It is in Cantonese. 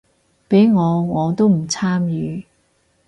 畀我我都唔參與